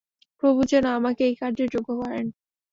প্রভু যেন আমাকে এই কার্যের যোগ্য করেন।